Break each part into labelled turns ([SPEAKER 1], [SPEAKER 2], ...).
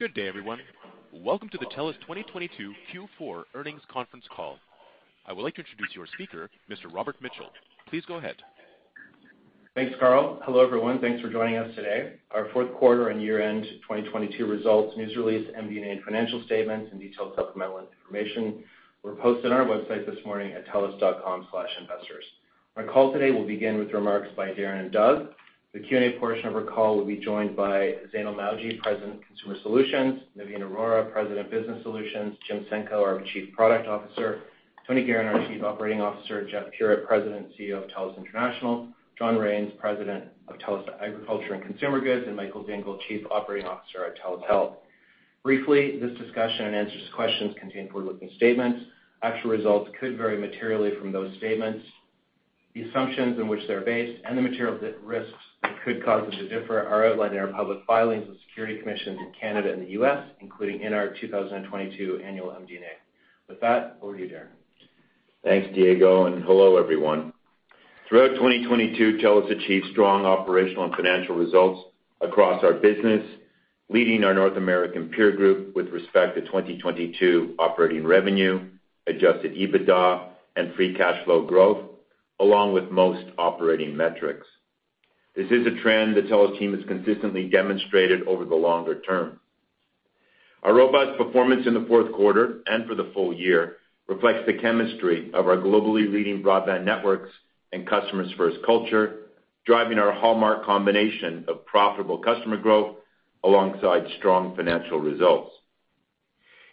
[SPEAKER 1] Good day, everyone. Welcome to the TELUS 2022 Q4 Earnings Conference Call. I would like to introduce your speaker, Mr. Robert Mitchell. Please go ahead.
[SPEAKER 2] Thanks, Carl. Hello, everyone. Thanks for joining us today. Our fourth quarter and year-end 2022 results, news release, MD&A, financial statements and detailed supplemental information were posted on our website this morning at telus.com/investors. Our call today will begin with remarks by Darren and Doug. The Q&A portion of our call will be joined by Zainul Mawji, President, Consumer Solutions, Navin Arora, President, Business Solutions, Jim Senko, our Chief Product Officer, Tony Geheran, our Chief Operating Officer, Jeff Puritt, President and CEO of TELUS International, John Raines, President of TELUS Agriculture & Consumer Goods, and Michael Dingle, Chief Operating Officer at TELUS Health. Briefly, this discussion and answers to questions contain forward-looking statements. Actual results could vary materially from those statements. The assumptions on which they're based and the material risks that could cause us to differ are outlined in our public filings with Security Commissions in Canada and the US, including in our 2022 annual MD&A. With that, over to you, Darren.
[SPEAKER 3] Thanks, Robert. Hello, everyone. Throughout 2022, TELUS achieved strong operational and financial results across our business, leading our North American peer group with respect to 2022 operating revenue, Adjusted EBITDA and free cash flow growth, along with most operating metrics. This is a trend the TELUS team has consistently demonstrated over the longer term. Our robust performance in the fourth quarter and for the full year reflects the chemistry of our globally leading broadband networks and customers first culture, driving our hallmark combination of profitable customer growth alongside strong financial results.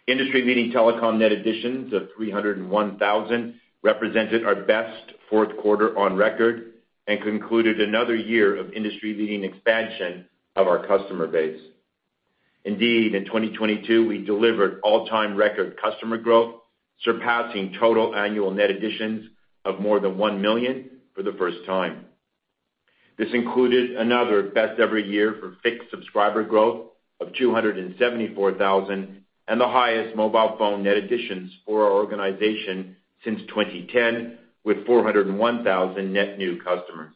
[SPEAKER 3] Industry-leading telecom net additions of 301,000 represented our best fourth quarter on record and concluded another year of industry-leading expansion of our customer base. Indeed, in 2022, we delivered all-time record customer growth, surpassing total annual net additions of more than 1 million for the first time. This included another best every year for fixed subscriber growth of 274,000 and the highest mobile phone net additions for our organization since 2010, with 401,000 net new customers.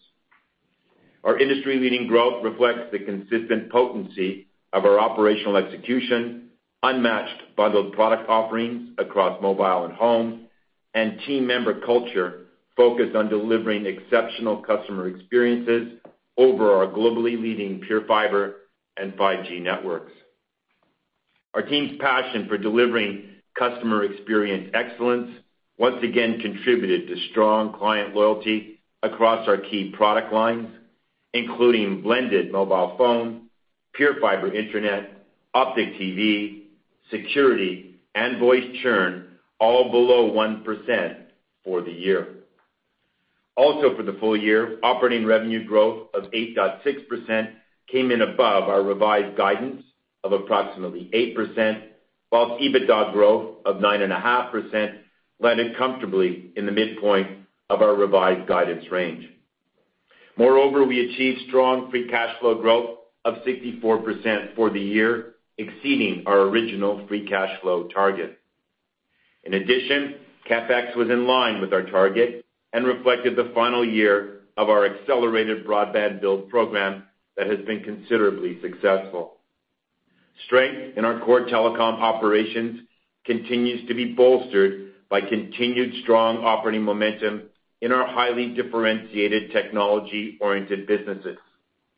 [SPEAKER 3] Our industry-leading growth reflects the consistent potency of our operational execution, unmatched bundled product offerings across mobile and home, and team member culture focused on delivering exceptional customer experiences over our globally leading PureFibre and 5G networks. Our team's passion for delivering customer experience excellence once again contributed to strong client loyalty across our key product lines, including blended mobile phone, PureFibre internet, Optik TV, security, and voice churn, all below 1% for the year. Also for the full year, operating revenue growth of 8.6% came in above our revised guidance of approximately 8%, whilst EBITDA growth of 9.5% landed comfortably in the midpoint of our revised guidance range. Moreover, we achieved strong free cash flow growth of 64% for the year, exceeding our original free cash flow target. In addition, CapEx was in line with our target and reflected the final year of our accelerated broadband build program that has been considerably successful. Strength in our core telecom operations continues to be bolstered by continued strong operating momentum in our highly differentiated technology-oriented businesses,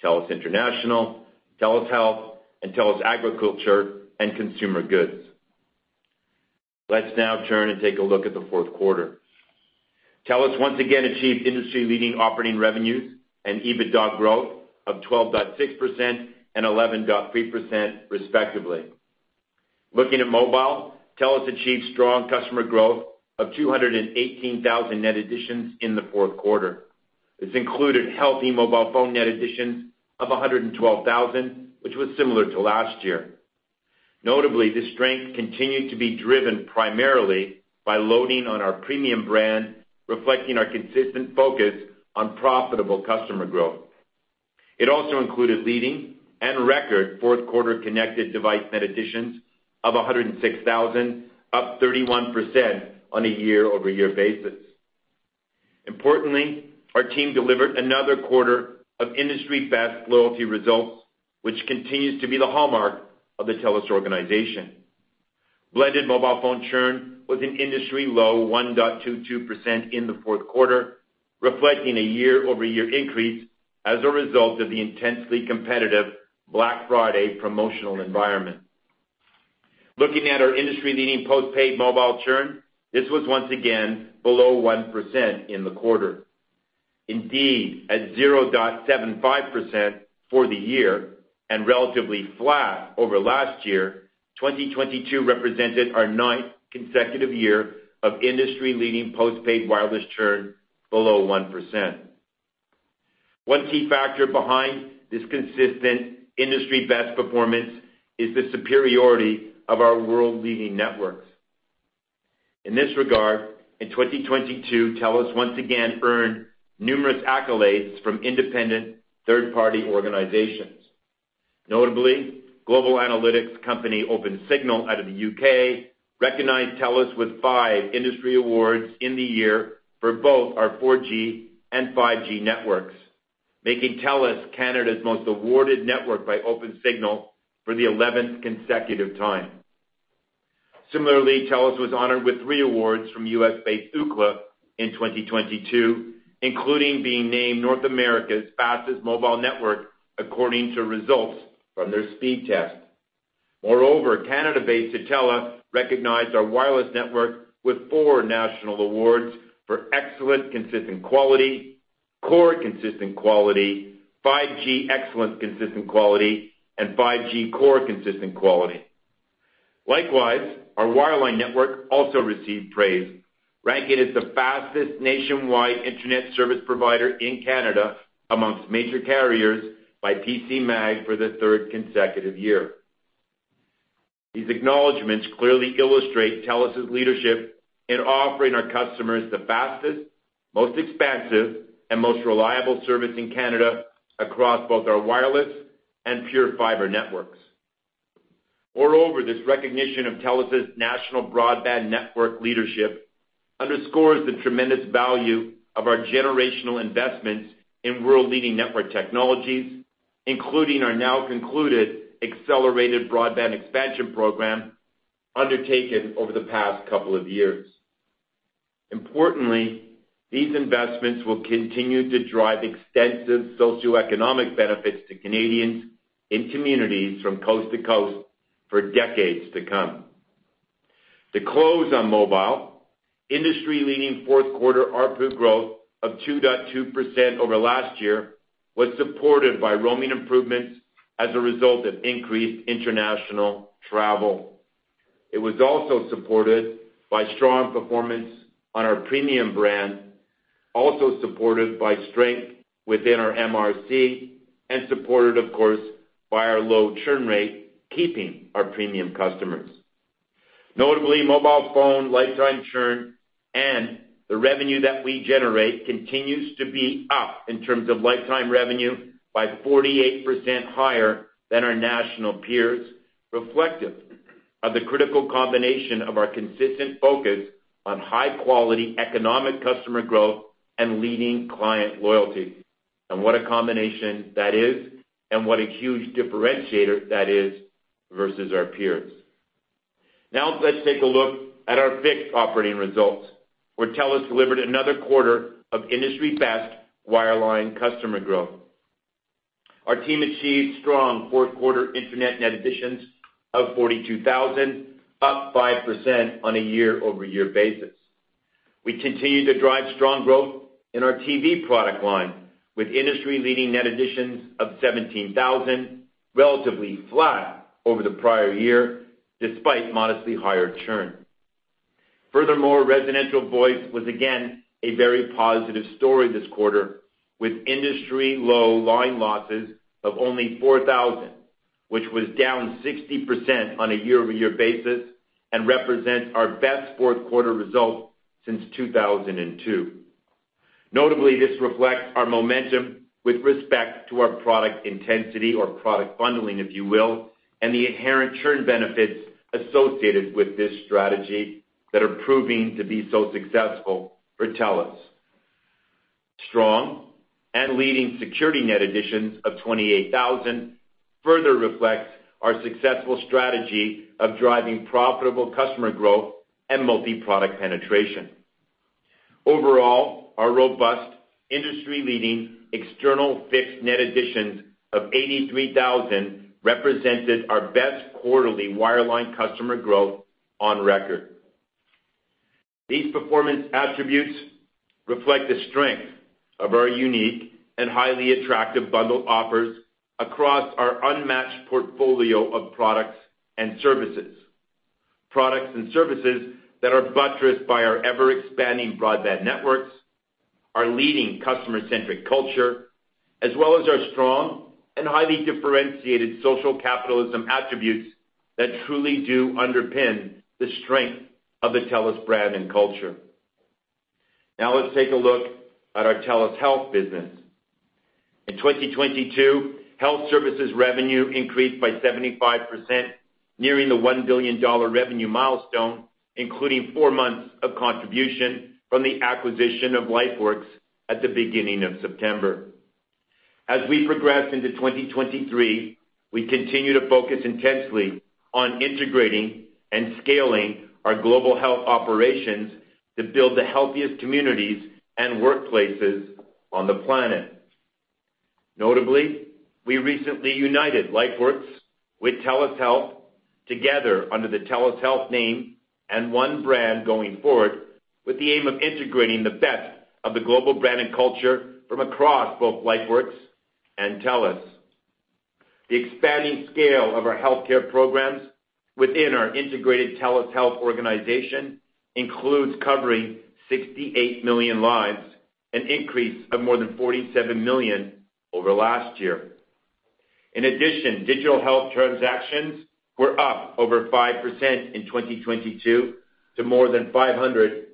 [SPEAKER 3] TELUS International, TELUS Health, and TELUS Agriculture & Consumer Goods. Let's now turn and take a look at the fourth quarter. TELUS once again achieved industry-leading operating revenues and EBITDA growth of 12.6% and 11.3%, respectively. Looking at mobile, TELUS achieved strong customer growth of 218,000 net additions in the fourth quarter. This included healthy mobile phone net additions of 112,000, which was similar to last year. Notably, this strength continued to be driven primarily by loading on our premium brand, reflecting our consistent focus on profitable customer growth. It also included leading and record fourth quarter connected device net additions of 106,000, up 31% on a year-over-year basis. Importantly, our team delivered another quarter of industry best loyalty results, which continues to be the hallmark of the TELUS organization. Blended mobile phone churn was an industry low 1.22% in the fourth quarter, reflecting a year-over-year increase as a result of the intensely competitive Black Friday promotional environment. Looking at our industry-leading postpaid mobile churn, this was once again below 1% in the quarter. Indeed, at 0.75% for the year and relatively flat over last year, 2022 represented our ninth consecutive year of industry-leading postpaid wireless churn below 1%. One key factor behind this consistent industry best performance is the superiority of our world-leading networks. In this regard, in 2022, TELUS once again earned numerous accolades from independent third-party organizations. Notably, global analytics company Opensignal out of the U.K. recognized TELUS with five industry awards in the year for both our 4G and 5G networks. Making TELUS Canada's most awarded network by Opensignal for the 11th consecutive time. Similarly, TELUS was honored with three awards from US-based Ookla in 2022, including being named North America's Fastest Mobile Network according to results from their speed test. Moreover, Canada-based Tutela recognized our wireless network with four national awards for Excellent Consistent Quality, Core Consistent Quality, 5G Excellent Consistent Quality, and 5G Core Consistent Quality. Likewise, our wireline network also received praise, ranked as the fastest nationwide Internet service provider in Canada amongst major carriers by PCMag for the third consecutive year. These acknowledgments clearly illustrate TELUS' leadership in offering our customers the fastest, most expansive, and most reliable service in Canada across both our wireless and PureFibre networks. Moreover, this recognition of TELUS' national broadband network leadership underscores the tremendous value of our generational investments in world-leading network technologies, including our now concluded accelerated broadband expansion program undertaken over the past couple of years. Importantly, these investments will continue to drive extensive socioeconomic benefits to Canadians in communities from coast to coast for decades to come. To close on mobile, industry-leading fourth quarter ARPU growth of 2.2% over last year was supported by roaming improvements as a result of increased international travel. It was also supported by strong performance on our premium brand, also supported by strength within our MRC and supported of course, by our low churn rate, keeping our premium customers. Notably, mobile phone lifetime churn and the revenue that we generate continues to be up in terms of lifetime revenue by 48% higher than our national peers, reflective of the critical combination of our consistent focus on high quality economic customer growth and leading client loyalty. What a combination that is, and what a huge differentiator that is versus our peers. Now let's take a look at our fixed operating results, where TELUS delivered another quarter of industry-best wireline customer growth. Our team achieved strong fourth-quarter internet net additions of 42,000, up 5% on a year-over-year basis. We continue to drive strong growth in our TV product line, with industry-leading net additions of 17,000, relatively flat over the prior year, despite modestly higher churn. Furthermore, residential voice was again a very positive story this quarter, with industry-low line losses of only 4,000, which was down 60% on a year-over-year basis and represents our best fourth-quarter result since 2002. Notably, this reflects our momentum with respect to our product intensity or product bundling if you will, and the inherent churn benefits associated with this strategy that are proving to be so successful for TELUS. Strong and leading security net additions of 28,000 further reflects our successful strategy of driving profitable customer growth and multiproduct penetration. Our robust industry-leading external fixed net additions of 83,000 represented our best quarterly wireline customer growth on record. These performance attributes reflect the strength of our unique and highly attractive bundle offers across our unmatched portfolio of products and services. Products and services that are buttressed by our ever-expanding broadband networks, our leading customer-centric culture, as well as our strong and highly differentiated social capitalism attributes that truly do underpin the strength of the TELUS brand and culture. Let's take a look at our TELUS Health business. In 2022, health services revenue increased by 75%, nearing the 1 billion dollar revenue milestone, including four months of contribution from the acquisition of LifeWorks at the beginning of September. As we progress into 2023, we continue to focus intensely on integrating and scaling our global health operations to build the healthiest communities and workplaces on the planet. Notably, we recently united LifeWorks with TELUS Health together under the TELUS Health name and one brand going forward, with the aim of integrating the best of the global brand and culture from across both LifeWorks and TELUS. The expanding scale of our healthcare programs within our integrated TELUS Health organization includes covering 68 million lives, an increase of more than 47 million over last year. Digital health transactions were up over 5% in 2022 to more than 580 million.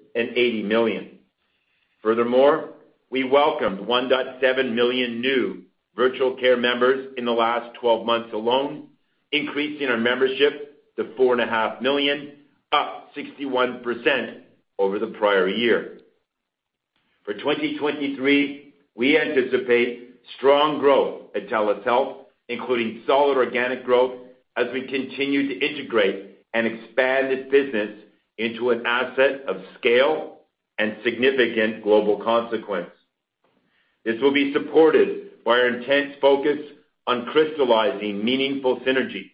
[SPEAKER 3] We welcomed 1.7 million new Virtual care members in the last 12 months alone, increasing our membership to 4.5 million, up 61% over the prior year. For 2023, we anticipate strong growth at TELUS Health, including solid organic growth as we continue to integrate and expand this business into an asset of scale and significant global consequence. This will be supported by our intense focus on crystallizing meaningful synergies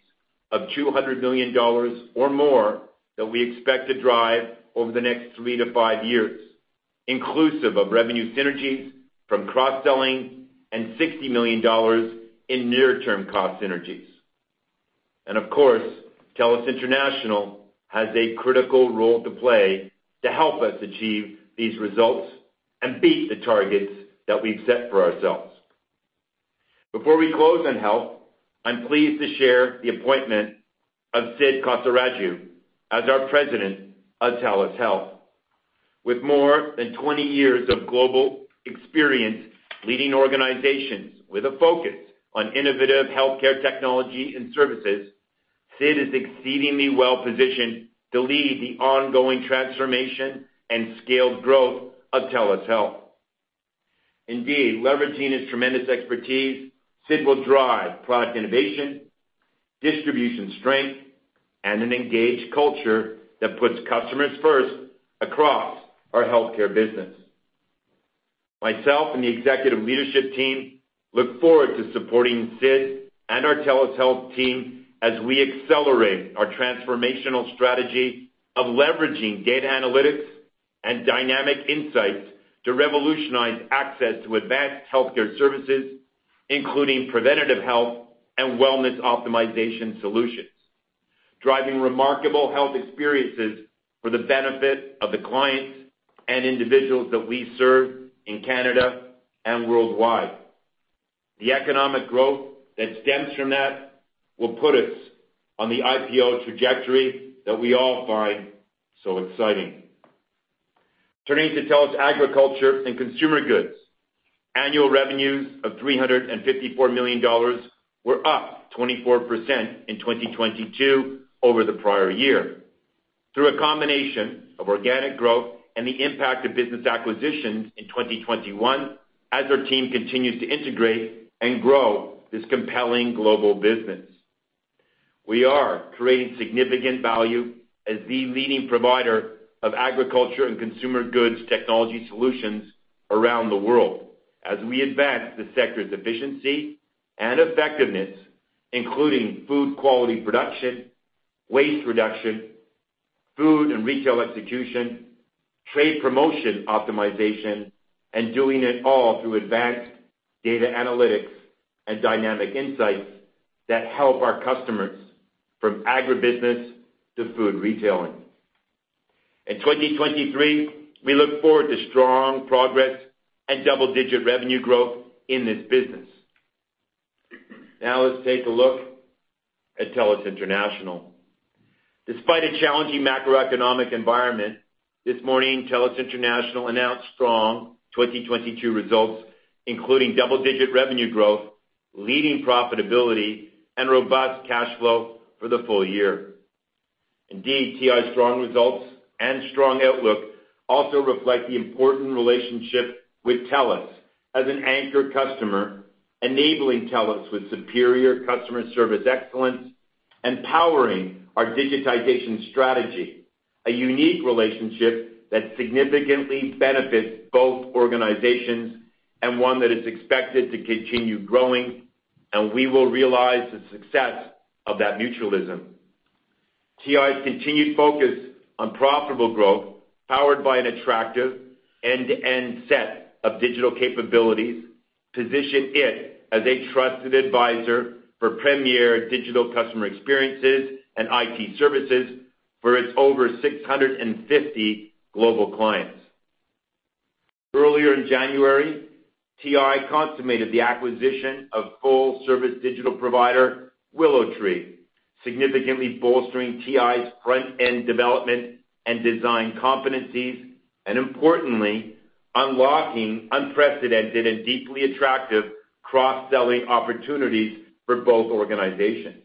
[SPEAKER 3] of 200 million dollars or more that we expect to drive over the next three to five years, inclusive of revenue synergies from cross-selling and 60 million dollars in near-term cost synergies. Of course, TELUS International has a critical role to play to help us achieve these results and beat the targets that we've set for ourselves. Before we close on health, I'm pleased to share the appointment of Sid Kosaraju as our President of TELUS Health. With more than 20 years of global experience leading organizations with a focus on innovative healthcare technology and services, Sid is exceedingly well-positioned to lead the ongoing transformation and scaled growth of TELUS Health. Leveraging his tremendous expertise, Sid will drive product innovation, distribution strength, and an engaged culture that puts customers first across our healthcare business. Myself and the executive leadership team look forward to supporting Sid and our TELUS Health team as we accelerate our transformational strategy of leveraging data analytics and dynamic insights to revolutionize access to advanced healthcare services, including preventative health and wellness optimization solutions, driving remarkable health experiences for the benefit of the clients and individuals that we serve in Canada and worldwide. The economic growth that stems from that will put us on the IPO trajectory that we all find so exciting. Turning to TELUS Agriculture & Consumer Goods, annual revenues of 354 million dollars were up 24% in 2022 over the prior year through a combination of organic growth and the impact of business acquisitions in 2021 as our team continues to integrate and grow this compelling global business. We are creating significant value as the leading provider of agriculture and consumer goods technology solutions around the world as we advance the sector's efficiency and effectiveness, including food quality production, waste reduction, food and retail execution, trade promotion optimization, and doing it all through advanced data analytics and dynamic insights that help our customers from agribusiness to food retailing. In 2023, we look forward to strong progress and double-digit revenue growth in this business. Let's take a look at TELUS International. Despite a challenging macroeconomic environment, this morning, TELUS International announced strong 2022 results, including double-digit revenue growth, leading profitability, and robust cash flow for the full year. Indeed, TI's strong results and strong outlook also reflect the important relationship with TELUS as an anchor customer, enabling TELUS with superior customer service excellence and powering our digitization strategy, a unique relationship that significantly benefits both organizations and one that is expected to continue growing, we will realize the success of that mutualism. TI's continued focus on profitable growth, powered by an attractive end-to-end set of digital capabilities, position it as a trusted advisor for premier digital customer experiences and IT services for its over 650 global clients. Earlier in January, TI consummated the acquisition of full-service digital provider, WillowTree, significantly bolstering TI's front-end development and design competencies and importantly, unlocking unprecedented and deeply attractive cross-selling opportunities for both organizations.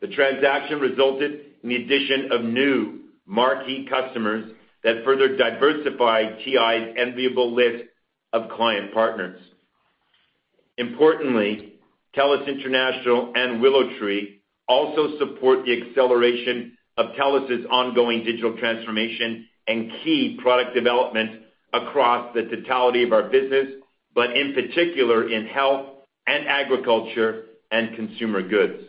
[SPEAKER 3] The transaction resulted in the addition of new marquee customers that further diversify TI's enviable list of client partners. Importantly, TELUS International and WillowTree also support the acceleration of TELUS's ongoing digital transformation and key product development across the totality of our business, but in particular in Health and Agriculture & Consumer Goods.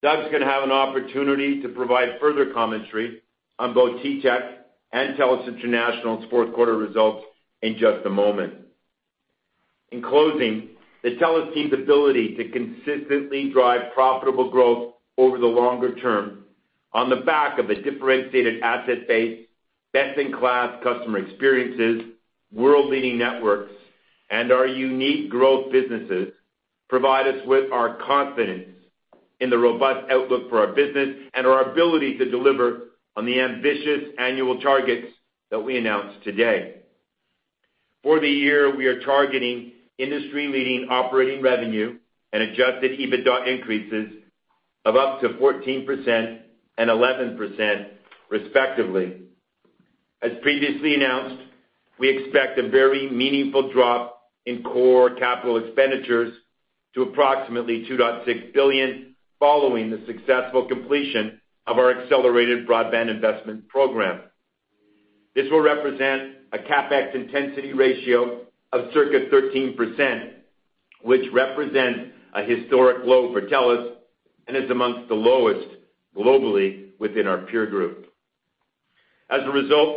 [SPEAKER 3] Doug's going to have an opportunity to provide further commentary on both TTech and TELUS International's fourth quarter results in just a moment. In closing, the TELUS team's ability to consistently drive profitable growth over the longer term on the back of a differentiated asset base, best-in-class customer experiences, world-leading networks, and our unique growth businesses provide us with our confidence in the robust outlook for our business and our ability to deliver on the ambitious annual targets that we announced today. For the year, we are targeting industry-leading operating revenue and Adjusted EBITDA increases of up to 14% and 11% respectively. As previously announced, we expect a very meaningful drop in core capital expenditures to approximately 2.6 billion, following the successful completion of our accelerated broadband investment program. This will represent a CapEx intensity ratio of circa 13%, which represents a historic low for TELUS and is amongst the lowest globally within our peer group.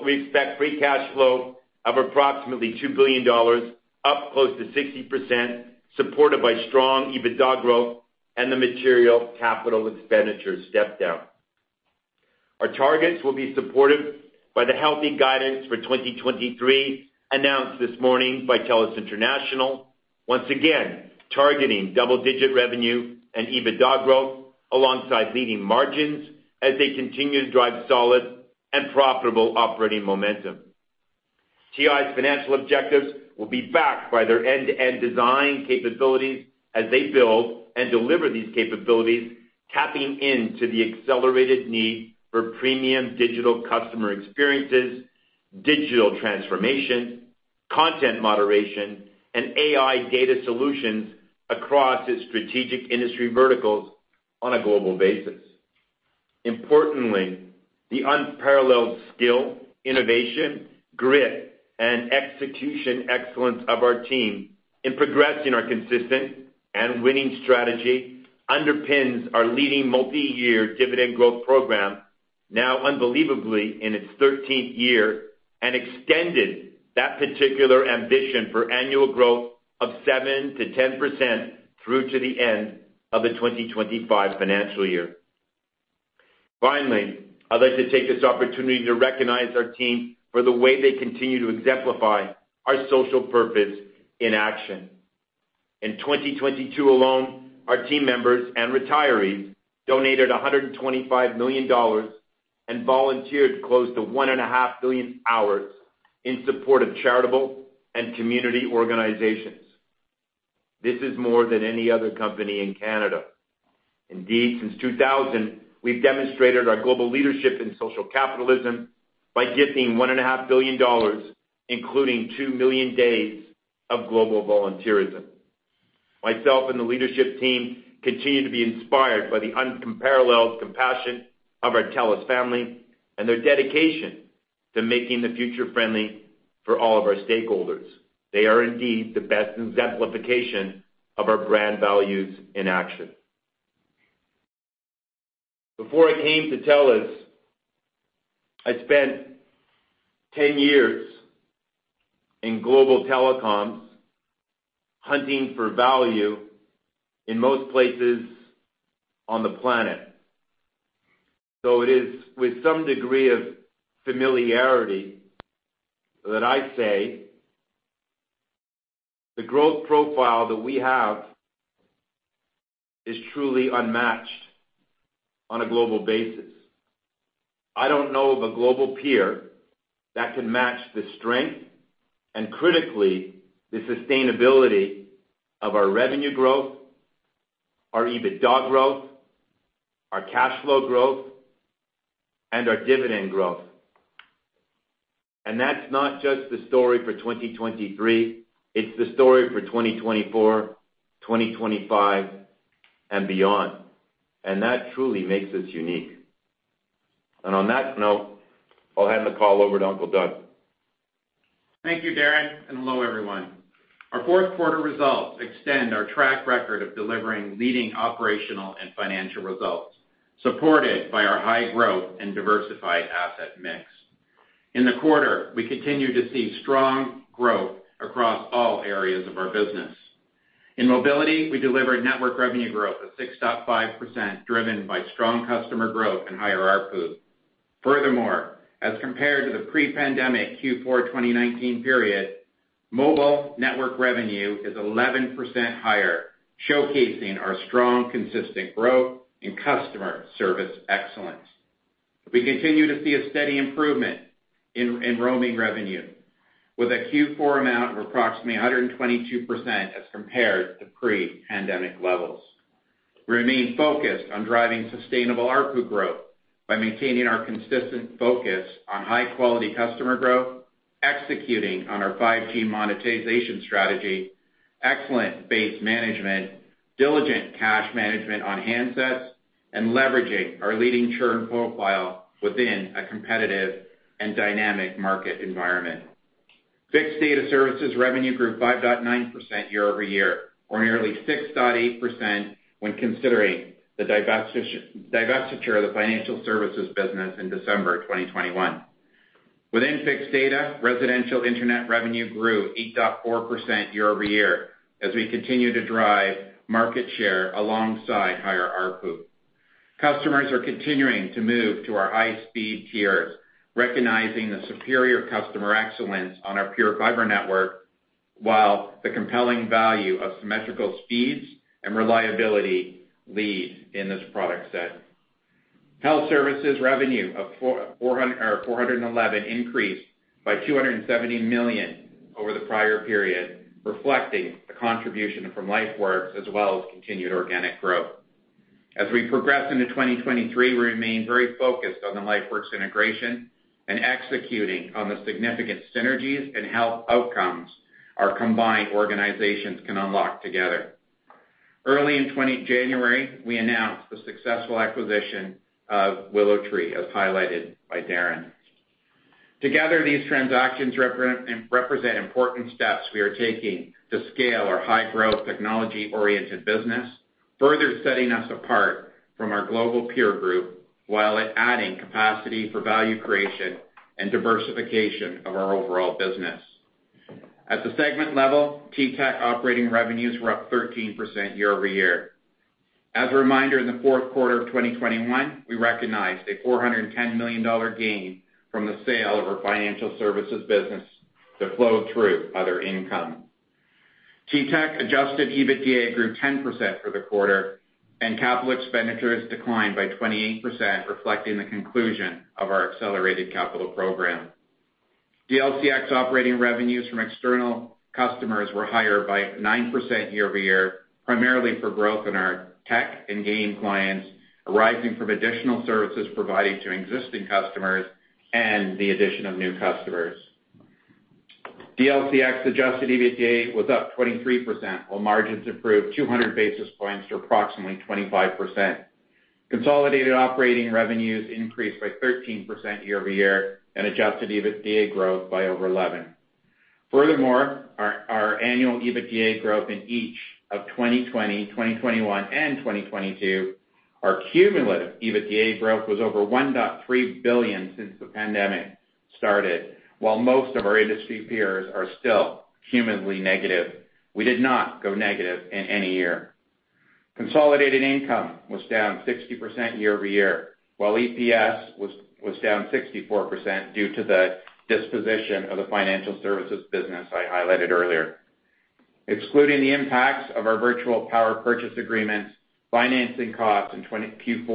[SPEAKER 3] We expect free cash flow of approximately 2 billion dollars, up close to 60%, supported by strong EBITDA growth and the material capital expenditure step-down. Our targets will be supported by the healthy guidance for 2023 announced this morning by TELUS International, once again, targeting double-digit revenue and EBITDA growth alongside leading margins as they continue to drive solid and profitable operating momentum. TI's financial objectives will be backed by their end-to-end design capabilities as they build and deliver these capabilities, tapping into the accelerated need for premium digital customer experiences, digital transformation, content moderation, and AI data solutions across its strategic industry verticals on a global basis. Importantly, the unparalleled skill, innovation, grit, and execution excellence of our team in progressing our consistent and winning strategy underpins our leading multiyear dividend growth program now unbelievably in its 13th year, and extended that particular ambition for annual growth of 7%-10% through to the end of the 2025 financial year. Finally, I'd like to take this opportunity to recognize our team for the way they continue to exemplify our social purpose in action. In 2022 alone, our team members and retirees donated 125 million dollars and volunteered close to 1.5 billion hours in support of charitable and community organizations. This is more than any other company in Canada. Since 2000, we've demonstrated our global leadership in social capitalism by gifting 1.5 billion dollars, including 2 million days of global volunteerism. Myself and the leadership team continue to be inspired by the unparalleled compassion of our TELUS family and their dedication to making the future friendly for all of our stakeholders. They are indeed the best exemplification of our brand values in action. Before I came to TELUS, I spent 10 years in global telecoms hunting for value in most places on the planet. It is with some degree of familiarity that I say the growth profile that we have is truly unmatched on a global basis. I don't know of a global peer that can match the strength and critically, the sustainability of our revenue growth, our EBITDA growth, our cash flow growth, and our dividend growth. That's not just the story for 2023, it's the story for 2024, 2025, and beyond. That truly makes us unique. On that note, I'll hand the call over to Uncle Doug.
[SPEAKER 4] Thank you, Darren. Hello, everyone. Our fourth quarter results extend our track record of delivering leading operational and financial results, supported by our high growth and diversified asset mix. In the quarter, we continued to see strong growth across all areas of our business. In mobility, we delivered network revenue growth of 6.5%, driven by strong customer growth and higher ARPU. Furthermore, as compared to the pre-pandemic Q4 2019 period, mobile network revenue is 11% higher, showcasing our strong, consistent growth in customer service excellence. We continue to see a steady improvement in roaming revenue with a Q4 amount of approximately 122% as compared to pre-pandemic levels. We remain focused on driving sustainable ARPU growth by maintaining our consistent focus on high-quality customer growth, executing on our 5G monetization strategy, excellent base management, diligent cash management on handsets, and leveraging our leading churn profile within a competitive and dynamic market environment. Fixed data services revenue grew 5.9% year-over-year, or nearly 6.8% when considering the divestiture of the financial services business in December 2021. Within fixed data, residential internet revenue grew 8.4% year-over-year as we continue to drive market share alongside higher ARPU. Customers are continuing to move to our high-speed tiers, recognizing the superior customer excellence on our PureFibre network, while the compelling value of symmetrical speeds and reliability lead in this product set. Health services revenue of 411 increased by 270 million over the prior period, reflecting the contribution from LifeWorks as well as continued organic growth. As we progress into 2023, we remain very focused on the LifeWorks integration and executing on the significant synergies and health outcomes our combined organizations can unlock together. Early in January, we announced the successful acquisition of WillowTree, as highlighted by Darren. Together, these transactions represent important steps we are taking to scale our high-growth, technology-oriented business, further setting us apart from our global peer group while adding capacity for value creation and diversification of our overall business. At the segment level, TTech operating revenues were up 13% year-over-year. As a reminder, in the fourth quarter of 2021, we recognized a 410 million dollar gain from the sale of our financial services business that flowed through other income. TTech, Adjusted EBITDA grew 10% for the quarter, and capital expenditures declined by 28%, reflecting the conclusion of our accelerated capital program. DLCX operating revenues from external customers were higher by 9% year-over-year, primarily for growth in our tech and game clients, arising from additional services provided to existing customers and the addition of new customers. DLCX Adjusted EBITDA was up 23%, while margins improved 200 basis points to approximately 25%. Consolidated operating revenues increased by 13% year-over-year, and Adjusted EBITDA growth by over 11%. Our annual EBITDA growth in each of 2020, 2021, and 2022, our cumulative EBITDA growth was over $1.3 billion since the pandemic started. While most of our industry peers are still cumulatively negative, we did not go negative in any year. Consolidated income was down 60% year-over-year, while EPS was down 64% due to the disposition of the financial services business I highlighted earlier. Excluding the impacts of our virtual power purchase agreements, financing costs in Q4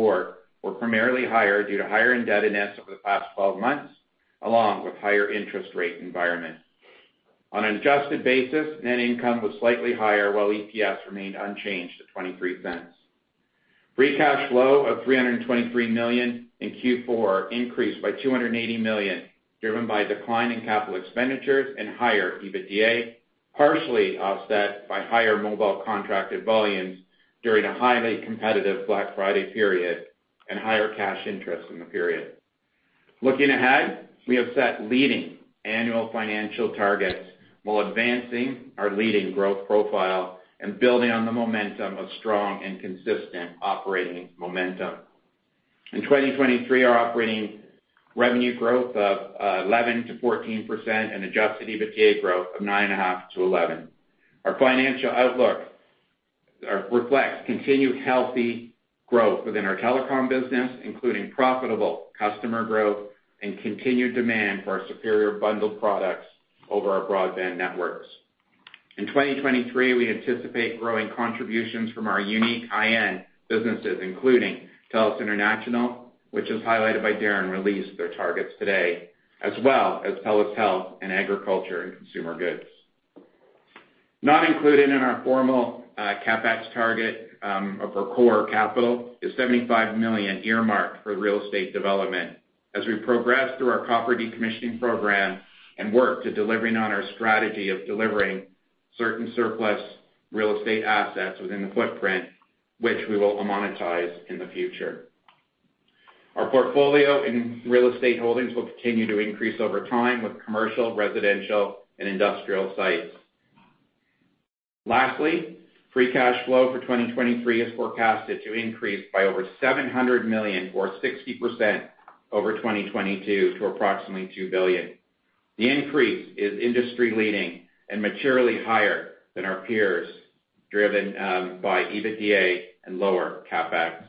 [SPEAKER 4] were primarily higher due to higher indebtedness over the past 12 months, along with higher interest rate environment. On an adjusted basis, net income was slightly higher, while EPS remained unchanged at $0.23. Free cash flow of 323 million in Q4 increased by 280 million, driven by a decline in CapEx and higher EBITDA, partially offset by higher mobile contracted volumes during a highly competitive Black Friday period and higher cash interest in the period. Looking ahead, we have set leading annual financial targets while advancing our leading growth profile and building on the momentum of strong and consistent operating momentum. In 2023, our operating revenue growth of 11%-14% and Adjusted EBITDA growth of 9.5%-11%. Our financial outlook reflects continued healthy growth within our telecom business, including profitable customer growth and continued demand for our superior bundled products over our broadband networks. In 2023, we anticipate growing contributions from our unique high-end businesses, including TELUS International, which, as highlighted by Darren, released their targets today, as well as TELUS Health and Agriculture & Consumer Goods. Not included in our formal CapEx target of our core capital is $75 million earmarked for real estate development as we progress through our copper decommissioning program and work to delivering on our strategy of delivering certain surplus real estate assets within the footprint, which we will monetize in the future. Our portfolio in real estate holdings will continue to increase over time with commercial, residential, and industrial sites. Lastly, free cash flow for 2023 is forecasted to increase by over $700 million, or 60%, over 2022 to approximately $2 billion. The increase is industry-leading and materially higher than our peers driven by EBITDA and lower CapEx.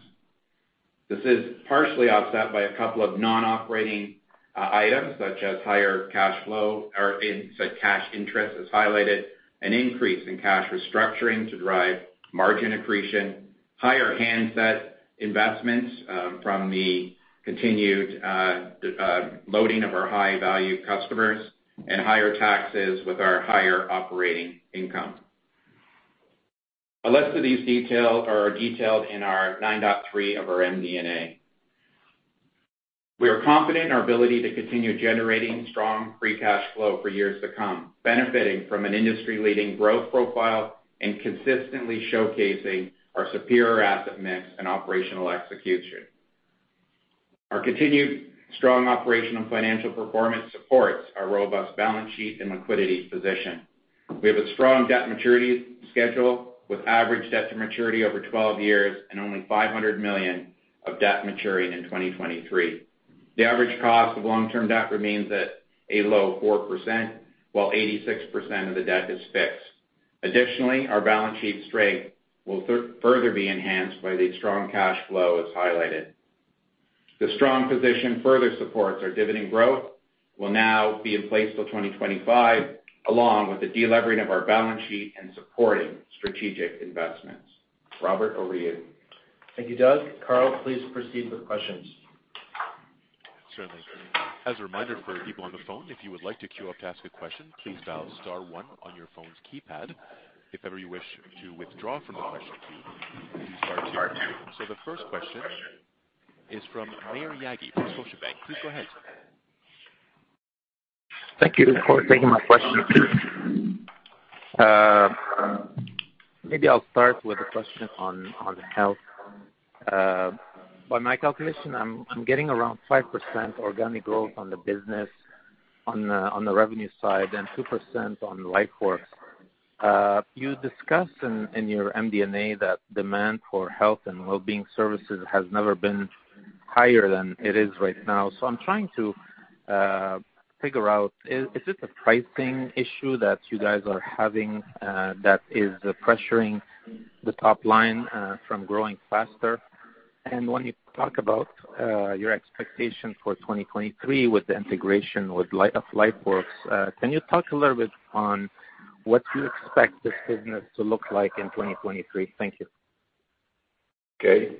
[SPEAKER 4] This is partially offset by a couple of non-operating items such as higher cash interest as highlighted, an increase in cash restructuring to drive margin accretion, higher handset investments from the continued loading of our high-value customers, and higher taxes with our higher operating income. A list of these are detailed in our 9.3 of our MD&A. We are confident in our ability to continue generating strong free cash flow for years to come, benefiting from an industry-leading growth profile and consistently showcasing our superior asset mix and operational execution. Our continued strong operational financial performance supports our robust balance sheet and liquidity position. We have a strong debt maturity schedule, with average debt to maturity over 12 years and only 500 million of debt maturing in 2023. The average cost of long-term debt remains at a low 4%, while 86% of the debt is fixed. Additionally, our balance sheet strength will further be enhanced by the strong cash flow as highlighted. The strong position further supports our dividend growth will now be in place till 2025, along with the delivering of our balance sheet and supporting strategic investments. Robert, over to you.
[SPEAKER 2] Thank you, Doug. Carl, please proceed with questions.
[SPEAKER 1] Certainly. As a reminder for people on the phone, if you would like to queue up to ask a question, please dial star one on your phone's keypad. If ever you wish to withdraw from the question queue, please star two. The first question is from Maher Yaghi from Scotiabank. Please go ahead.
[SPEAKER 5] Thank you for taking my question. Maybe I'll start with a question on health. By my calculation, I'm getting around 5% organic growth on the business on the revenue side and 2% on LifeWorks. You discussed in your MD&A that demand for health and wellbeing services has never been higher than it is right now. I'm trying to figure out is this a pricing issue that you guys are having that is pressuring the top line from growing faster? When you talk about your expectation for 2023 with the integration with LifeWorks, can you talk a little bit on what you expect this business to look like in 2023? Thank you.
[SPEAKER 3] Okay.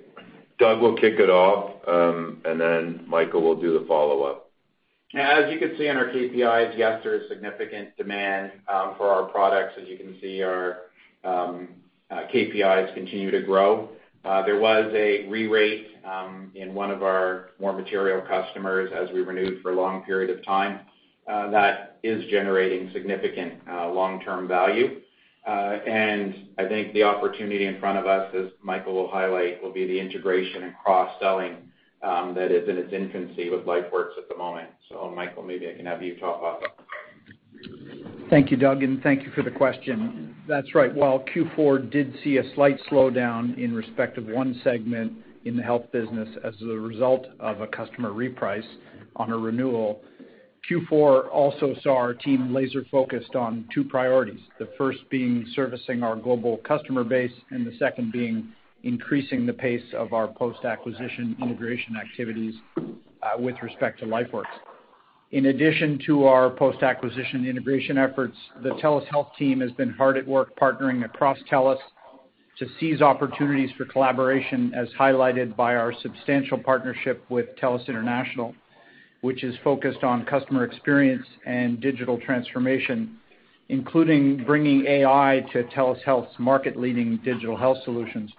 [SPEAKER 3] Doug will kick it off, and then Michael will do the follow up.
[SPEAKER 4] As you can see on our KPIs, yes, there is significant demand for our products. As you can see our KPIs continue to grow. There was a re-rate in one of our more material customers as we renewed for a long period of time, that is generating significant long-term value. I think the opportunity in front of us, as Michael will highlight, will be the integration and cross-selling that is in its infancy with LifeWorks at the moment. Michael, maybe I can have you talk about that.
[SPEAKER 6] Thank you, Doug, and thank you for the question. That's right. While Q4 did see a slight slowdown in respect of one segment in the health business as a result of a customer reprice on a renewal, Q4 also saw our team laser focused on two priorities. The first being servicing our global customer base, and the second being increasing the pace of our post-acquisition integration activities with respect to LifeWorks. In addition to our post-acquisition integration efforts, the TELUS Health team has been hard at work partnering across TELUS to seize opportunities for collaboration, as highlighted by our substantial partnership with TELUS International, which is focused on customer experience and digital transformation, including bringing AI to TELUS Health's market-leading digital health solutions.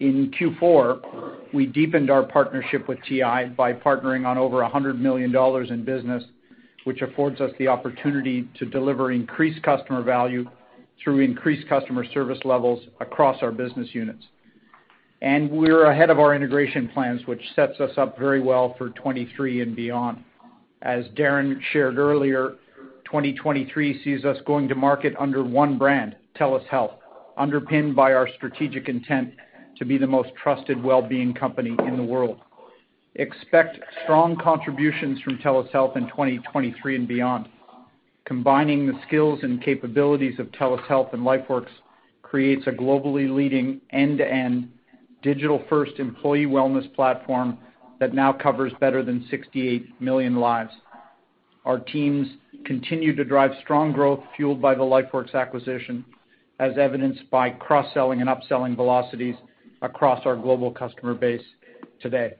[SPEAKER 6] In Q4, we deepened our partnership with TI by partnering on over 100 million dollars in business, which affords us the opportunity to deliver increased customer value through increased customer service levels across our business units. We're ahead of our integration plans, which sets us up very well for 2023 and beyond. As Darren shared earlier, 2023 sees us going to market under one brand, TELUS Health, underpinned by our strategic intent to be the most trusted wellbeing company in the world. Expect strong contributions from TELUS Health in 2023 and beyond. Combining the skills and capabilities of TELUS Health and LifeWorks creates a globally leading end-to-end digital-first employee wellness platform that now covers better than 68 million lives. Our teams continue to drive strong growth fueled by the LifeWorks acquisition, as evidenced by cross-selling and upselling velocities across our global customer base today.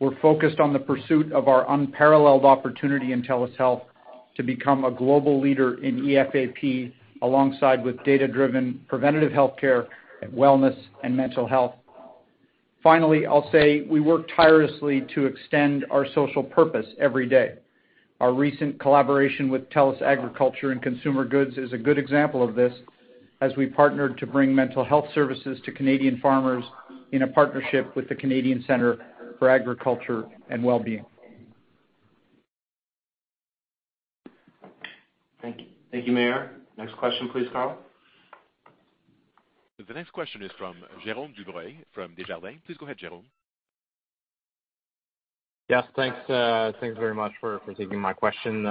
[SPEAKER 6] We're focused on the pursuit of our unparalleled opportunity in TELUS Health to become a global leader in EFAP, alongside with data-driven preventative healthcare, wellness, and mental health. I'll say we work tirelessly to extend our social purpose every day. Our recent collaboration with TELUS Agriculture & Consumer Goods is a good example of this, as we partnered to bring mental health services to Canadian farmers in a partnership with the Canadian Centre for Agricultural Wellbeing.
[SPEAKER 2] Thank you. Thank you, Maher. Next question, please, Carl.
[SPEAKER 1] The next question is from Jérōme Dubreuil from Desjardins. Please go ahead, Jerome.
[SPEAKER 7] Yes, thanks very much for taking my question.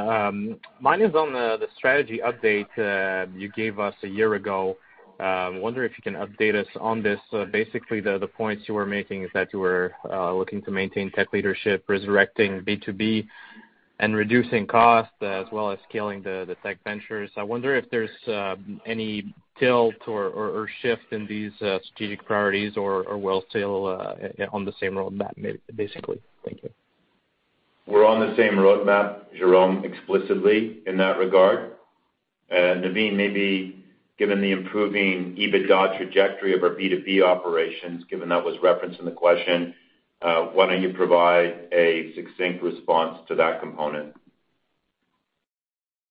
[SPEAKER 7] Mine is on the strategy update you gave us a year ago. Wondering if you can update us on this. Basically, the points you were making is that you were looking to maintain tech leadership, resurrecting B2B and reducing costs, as well as scaling the tech ventures. I wonder if there's any tilt or shift in these strategic priorities or we'll sail on the same roadmap basically. Thank you.
[SPEAKER 3] We're on the same roadmap, Jerome, explicitly in that regard. Navin, maybe given the improving EBITDA trajectory of our B2B operations, given that was referenced in the question, why don't you provide a succinct response to that component?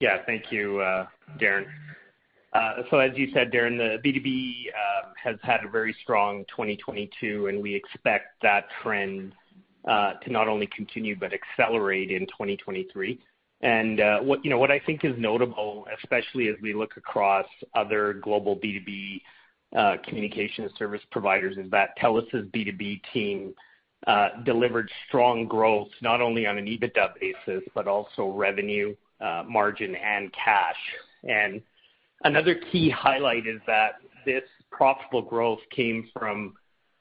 [SPEAKER 8] Yeah. Thank you, Darren. As you said, Darren, the B2B has had a very strong 2022, and we expect that trend to not only continue but accelerate in 2023. What, you know, what I think is notable, especially as we look across other global B2B communication service providers is that TELUS's B2B team delivered strong growth, not only on an EBITDA basis, but also revenue, margin and cash. Another key highlight is that this profitable growth came from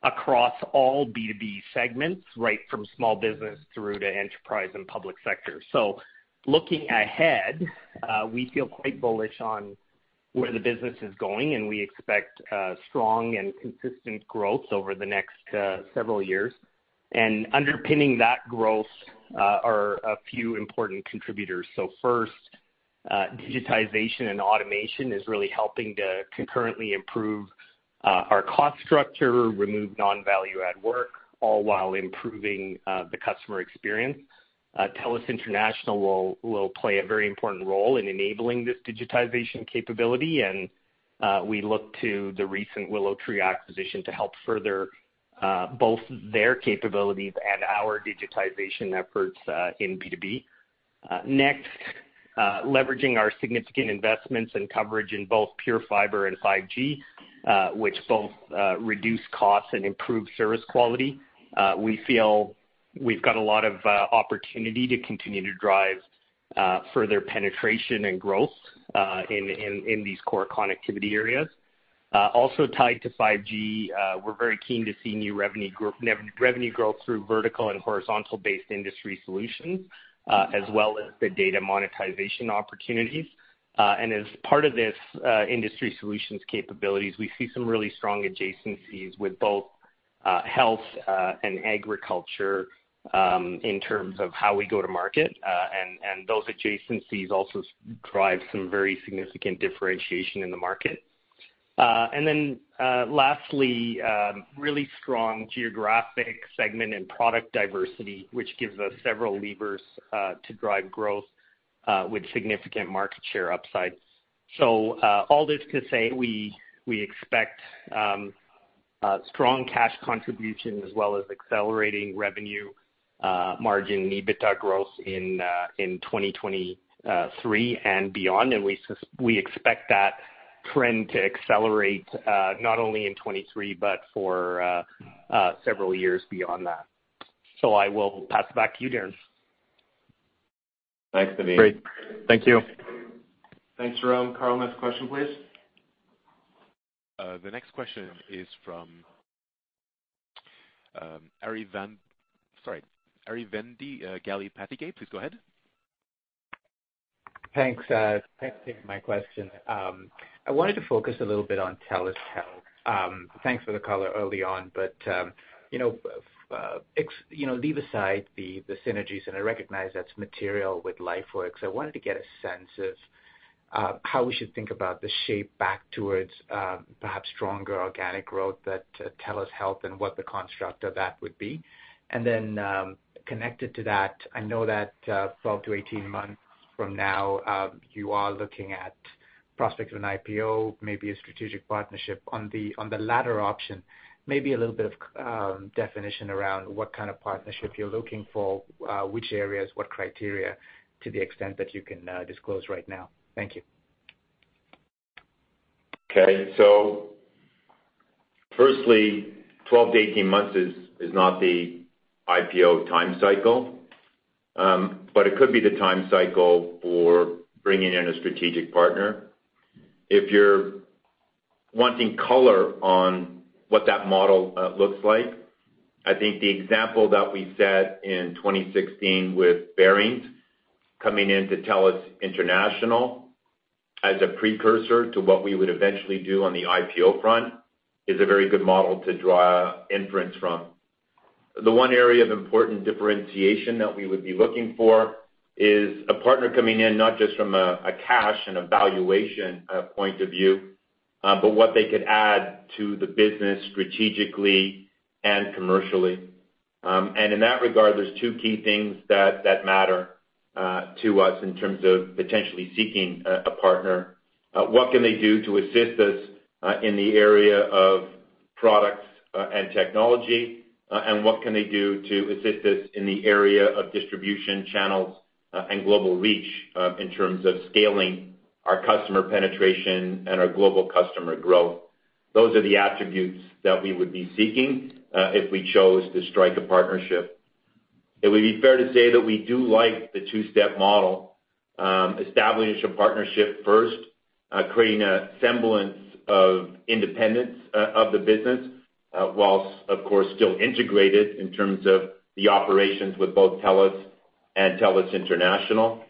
[SPEAKER 8] across all B2B segments, right from small business through to enterprise and public sector. Looking ahead, we feel quite bullish on where the business is going, and we expect strong and consistent growth over the next several years. Underpinning that growth are a few important contributors. First, digitization and automation is really helping to concurrently improve our cost structure, remove non-value add work, all while improving the customer experience. TELUS International will play a very important role in enabling this digitization capability, and we look to the recent WillowTree acquisition to help further both their capabilities and our digitization efforts in B2B. Next, leveraging our significant investments and coverage in both PureFibre and 5G, which both reduce costs and improve service quality. We feel we've got a lot of opportunity to continue to drive further penetration and growth in these core connectivity areas. Also tied to 5G, we're very keen to see new revenue growth through vertical and horizontal-based industry solutions, as well as the data monetization opportunities. As part of this, industry solutions capabilities, we see some really strong adjacencies with both, Health, and Agriculture, in terms of how we go to market. Those adjacencies also drive some very significant differentiation in the market. Lastly, really strong geographic segment and product diversity, which gives us several levers to drive growth with significant market share upsides. All this to say we expect strong cash contributions as well as accelerating revenue, margin EBITDA growth in 2023 and beyond. We expect that trend to accelerate, not only in 2023, but for several years beyond that. I will pass it back to you, Darren.
[SPEAKER 3] Thanks, Navin.
[SPEAKER 8] Great. Thank you.
[SPEAKER 2] Thanks, Jerome. Carl, next question, please.
[SPEAKER 1] The next question is from, Aravinda Galappatthige. Please go ahead.
[SPEAKER 9] Thanks. Thanks for taking my question. I wanted to focus a little bit on TELUS Health. Thanks for the color early on, but, you know, leave aside the synergies, and I recognize that's material with LifeWorks. I wanted to get a sense of how we should think about the shape back towards perhaps stronger organic growth that TELUS Health and what the construct of that would be. Connected to that, I know that 12 to 18 months from now, you are looking at prospects of an IPO, maybe a strategic partnership. On the latter option, maybe a little bit of definition around what kind of partnership you're looking for, which areas, what criteria to the extent that you can disclose right now. Thank you.
[SPEAKER 3] Firstly, 12-18 months is not the IPO time cycle, it could be the time cycle for bringing in a strategic partner. If you're wanting color on what that model looks like, I think the example that we set in 2016 with Baring coming in to TELUS International as a precursor to what we would eventually do on the IPO front is a very good model to draw inference from. The one area of important differentiation that we would be looking for is a partner coming in not just from a cash and a valuation point of view, what they could add to the business strategically and commercially. In that regard, there's two key things that matter to us in terms of potentially seeking a partner. What can they do to assist us in the area of products and technology? What can they do to assist us in the area of distribution channels and global reach in terms of scaling our customer penetration and our global customer growth? Those are the attributes that we would be seeking if we chose to strike a partnership. It would be fair to say that we do like the two-step model, establishing a partnership first, creating a semblance of independence of the business, whilst of course, still integrated in terms of the operations with both TELUS and TELUS International.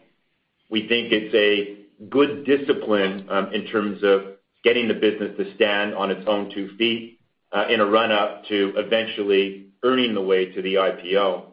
[SPEAKER 3] We think it's a good discipline in terms of getting the business to stand on its own two feet in a run-up to eventually earning the way to the IPO.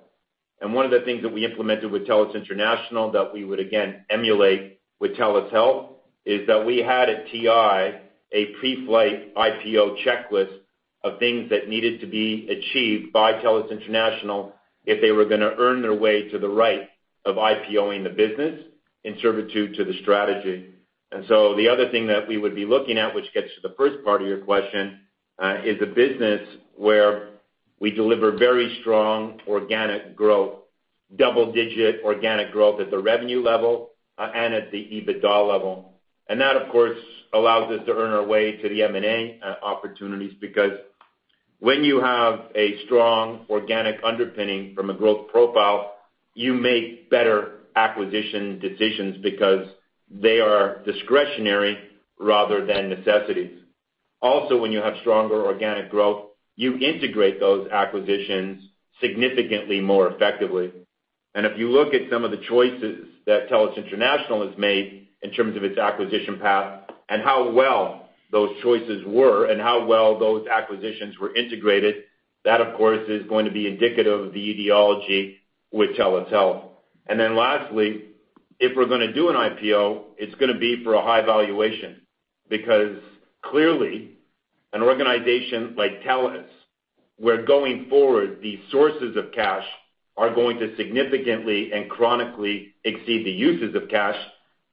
[SPEAKER 3] One of the things that we implemented with TELUS International that we would again emulate with TELUS Health is that we had at TI a pre-flight IPO checklist of things that needed to be achieved by TELUS International if they were gonna earn their way to the right of IPO-ing the business in servitude to the strategy. The other thing that we would be looking at, which gets to the first part of your question, is a business where we deliver very strong organic growth. Double-digit organic growth at the revenue level and at the EBITDA level. That, of course, allows us to earn our way to the M&A opportunities because when you have a strong organic underpinning from a growth profile, you make better acquisition decisions because they are discretionary rather than necessities. When you have stronger organic growth, you integrate those acquisitions significantly more effectively. If you look at some of the choices that TELUS International has made in terms of its acquisition path and how well those choices were and how well those acquisitions were integrated, that, of course, is going to be indicative of the ideology with TELUS Health. Lastly, if we're gonna do an IPO, it's gonna be for a high valuation because clearly an organization like TELUS, where going forward, the sources of cash are going to significantly and chronically exceed the uses of cash,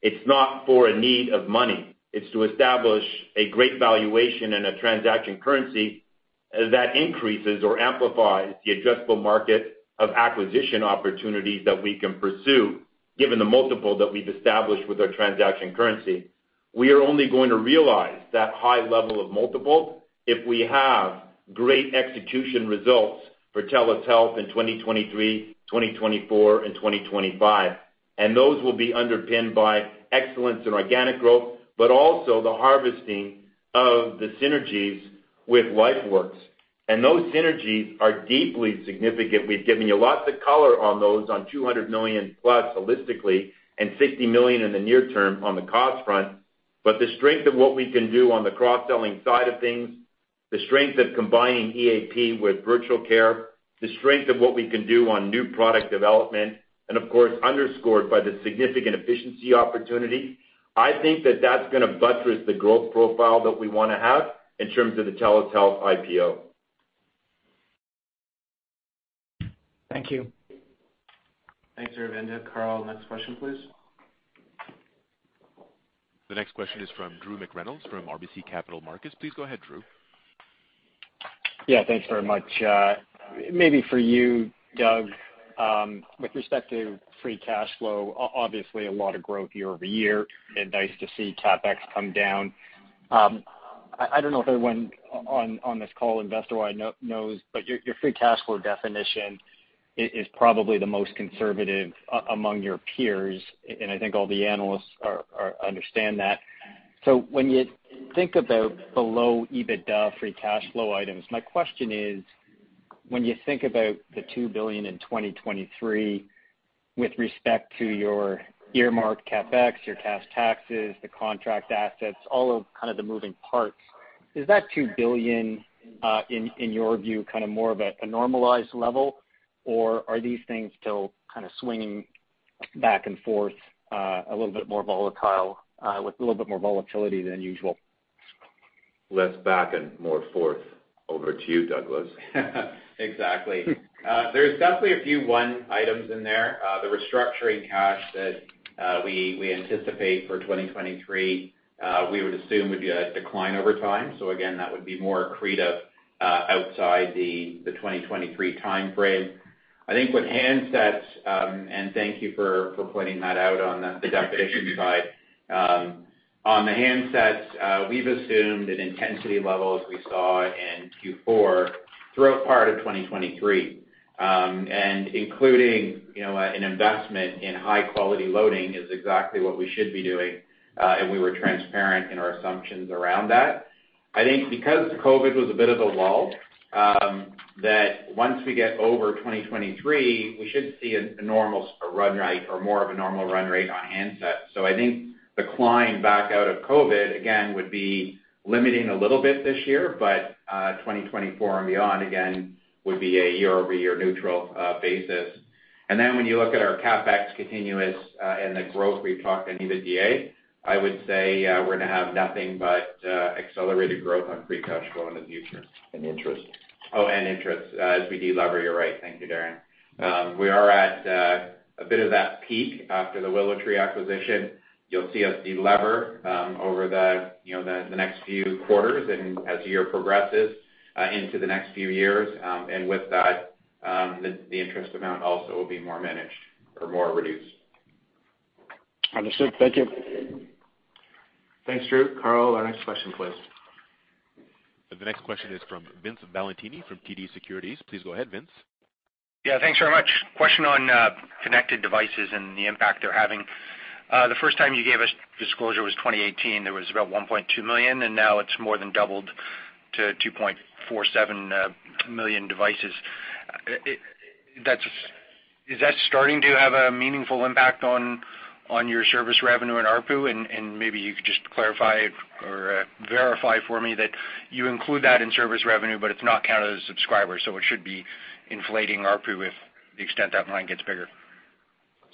[SPEAKER 3] it's not for a need of money. It's to establish a great valuation and a transaction currency that increases or amplifies the addressable market of acquisition opportunities that we can pursue given the multiple that we've established with our transaction currency. We are only going to realize that high level of multiple if we have great execution results for TELUS Health in 2023, 2024, and 2025. Those will be underpinned by excellence in organic growth, but also the harvesting of the synergies with LifeWorks. Those synergies are deeply significant. We've given you lots of color on those on 200 million-plus holistically and 60 million in the near term on the cost front. The strength of what we can do on the cross-selling side of things, the strength of combining EAP with virtual care, the strength of what we can do on new product development, and of course, underscored by the significant efficiency opportunity, I think that that's gonna buttress the growth profile that we wanna have in terms of the TELUS Health IPO.
[SPEAKER 9] Thank you.
[SPEAKER 2] Thanks, Aravinda. Carl, next question, please.
[SPEAKER 1] The next question is from Drew McReynolds from RBC Capital Markets. Please go ahead, Drew.
[SPEAKER 10] Yeah, thanks very much. Maybe for you, Doug, with respect to free cash flow, obviously a lot of growth year-over-year and nice to see CapEx come down. I don't know if everyone on this call investor-wide knows, but your free cash flow definition is probably the most conservative among your peers, and I think all the analysts understand that. When you think about the low EBITDA free cash flow items, my question is, when you think about the 2 billion in 2023 with respect to your earmarked CapEx, your cash taxes, the contract assets, all of kind of the moving parts, is that 2 billion, in your view, kind of more of a normalized level, or are these things still kind of swinging back and forth, a little bit more volatile, with a little bit more volatility than usual?
[SPEAKER 3] Less back and more forth. Over to you, Douglas.
[SPEAKER 4] Exactly. There's definitely a few one items in there. The restructuring cash that we anticipate for 2023, we would assume would be a decline over time. Again, that would be more accretive, outside the 2023 timeframe. With handsets, and thank you for pointing that out on the deduction side. On the handsets, we've assumed that intensity levels we saw in Q4 throughout part of 2023, and including, you know, an investment in high-quality loading is exactly what we should be doing, and we were transparent in our assumptions around that. Because COVID was a bit of a lull, that once we get over 2023, we should see a normal run rate or more of a normal run rate on handsets. I think the climb back out of COVID again would be limiting a little bit this year, but 2024 and beyond, again, would be a year-over-year neutral basis. When you look at our CapEx continuous and the growth we've talked on EBITDA, I would say, we're gonna have nothing but accelerated growth on free cash flow in the future.
[SPEAKER 3] Interest.
[SPEAKER 4] Interest. As we de-lever, you're right. Thank you, Darren. We are at a bit of that peak after the WillowTree acquisition. You'll see us de-lever over the, you know, the next few quarters and as the year progresses into the next few years. With that, the interest amount also will be more managed or more reduced.
[SPEAKER 10] Understood. Thank you.
[SPEAKER 2] Thanks, Drew. Carl, our next question, please.
[SPEAKER 1] The next question is from Vince Valentini from TD Securities. Please go ahead, Vince.
[SPEAKER 11] Yeah, thanks very much. Question on connected devices and the impact they're having. The first time you gave us disclosure was 2018. There was about 1.2 million, and now it's more than doubled to 2.47 million devices. Is that starting to have a meaningful impact on your service revenue and ARPU? Maybe you could just clarify or verify for me that you include that in service revenue, but it's not counted as subscribers, so it should be inflating ARPU if the extent that line gets bigger.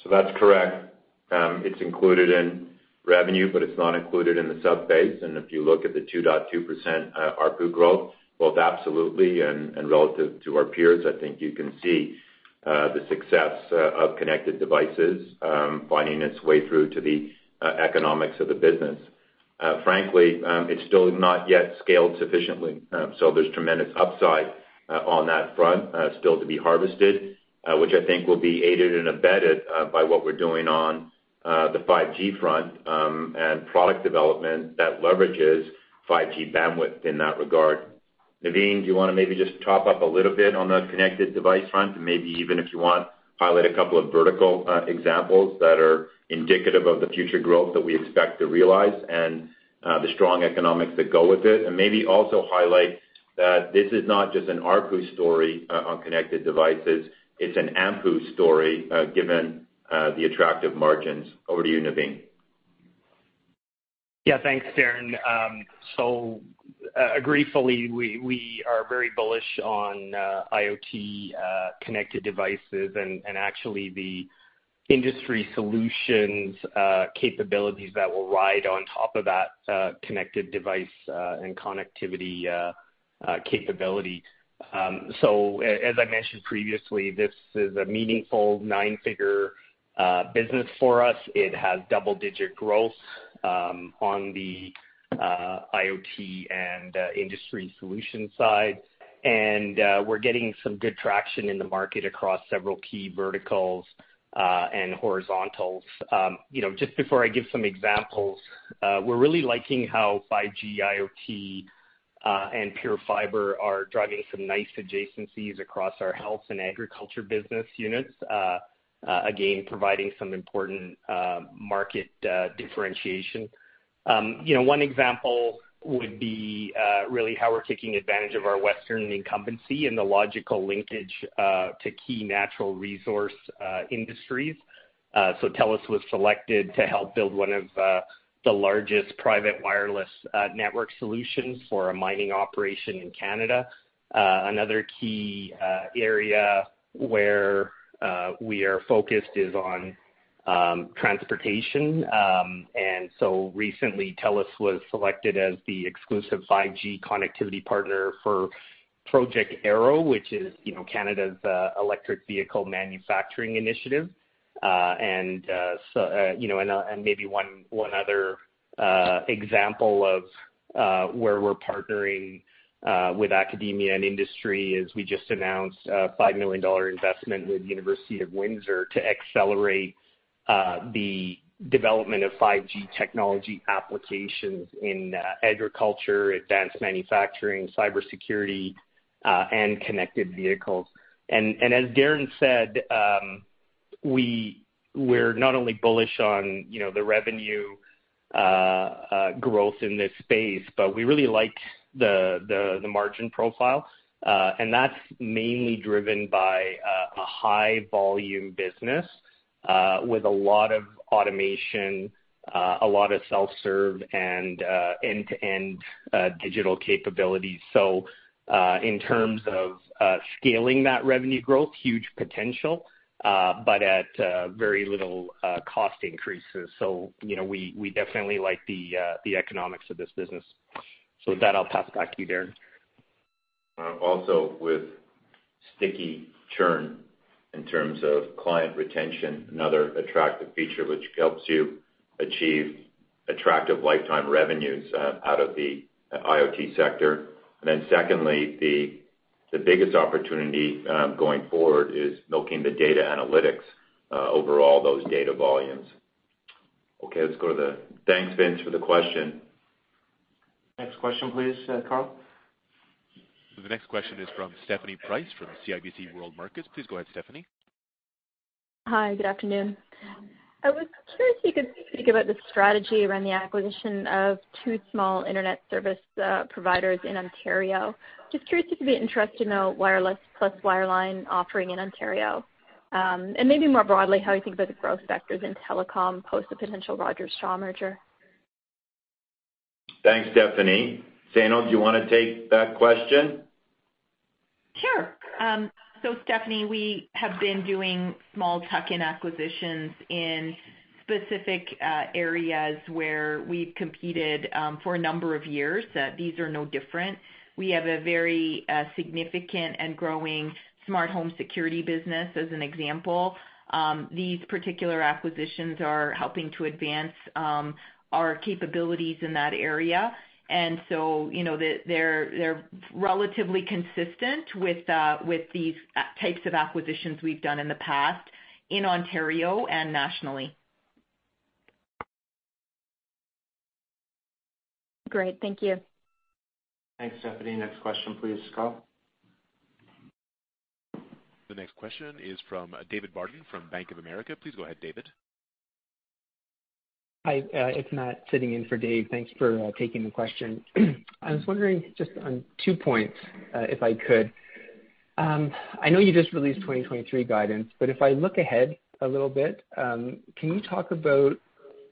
[SPEAKER 3] That's correct. It's included in revenue, but it's not included in the sub-base. If you look at the 2.2% ARPU growth, both absolutely and relative to our peers, I think you can see the success of connected devices finding its way through to the economics of the business. Frankly, it's still not yet scaled sufficiently, so there's tremendous upside on that front, still to be harvested, which I think will be aided and abetted by what we're doing on the 5G front, and product development that leverages 5G bandwidth in that regard. Navin, do you wanna maybe just top up a little bit on the connected device front? Maybe even if you want, highlight a couple of vertical examples that are indicative of the future growth that we expect to realize and the strong economics that go with it. Maybe also highlight that this is not just an ARPU story on connected devices, it's an AMPU story, given the attractive margins. Over to you, Navin.
[SPEAKER 8] Yeah, thanks, Darren. Agreefully, we are very bullish on IoT, connected devices and actually the industry solutions capabilities that will ride on top of that connected device and connectivity capability. As I mentioned previously, this is a meaningful nine figure business for us. It has double-digit growth on the IoT and industry solution side. We're getting some good traction in the market across several key verticals and horizontals. You know, just before I give some examples, we're really liking how 5G IoT and PureFibre are driving some nice adjacencies across our health and agriculture business units, again, providing some important market differentiation. You know, one example would be really how we're taking advantage of our western incumbency and the logical linkage to key natural resource industries. TELUS was selected to help build one of the largest private wireless network solutions for a mining operation in Canada. Another key area where we are focused is on transportation. Recently, TELUS was selected as the exclusive 5G connectivity partner for Project Arrow, which is, you know, Canada's electric vehicle manufacturing initiative. So, you know, and maybe one other example of where we're partnering with academia and industry is we just announced a 5 million dollar investment with the University of Windsor to accelerate the development of 5G technology applications in agriculture, advanced manufacturing, cybersecurity, and connected vehicles. As Darren said, we're not only bullish on, you know, the revenue growth in this space, but we really like the margin profile. That's mainly driven by a high volume business with a lot of automation, a lot of self-serve and end-to-end digital capabilities. In terms of scaling that revenue growth, huge potential, but at very little cost increases. You know, we definitely like the economics of this business. With that, I'll pass it back to you, Darren.
[SPEAKER 3] Also with sticky churn in terms of client retention, another attractive feature which helps you achieve attractive lifetime revenues out of the IoT sector. Secondly, the biggest opportunity going forward is milking the data analytics over all those data volumes. Thanks, Vince, for the question.
[SPEAKER 2] Next question, please, Carl.
[SPEAKER 1] The next question is from Stephanie Price from CIBC World Markets. Please go ahead, Stephanie.
[SPEAKER 12] Hi. Good afternoon. I was curious if you could speak about the strategy around the acquisition of two small internet service providers in Ontario? Just curious if you could interest to know wireless plus wireline offering in Ontario? Maybe more broadly, how you think about the growth factors in telecom post the potential Rogers-Shaw merger?
[SPEAKER 3] Thanks, Stephanie. Zainul, do you wanna take that question?
[SPEAKER 13] Sure. Stephanie, we have been doing small tuck-in acquisitions in specific areas where we've competed for a number of years. These are no different. We have a very significant and growing smart home security business, as an example. These particular acquisitions are helping to advance our capabilities in that area. you know, they're relatively consistent with these types of acquisitions we've done in the past in Ontario and nationally.
[SPEAKER 12] Great. Thank you.
[SPEAKER 2] Thanks, Stephanie. Next question, please, Carl.
[SPEAKER 1] The next question is from David Barden from Bank of America. Please go ahead, David.
[SPEAKER 14] Hi. It's Matt sitting in for Dave. Thanks for taking the question. I was wondering just on two points, if I could. I know you just released 2023 guidance, but if I look ahead a little bit, can you talk about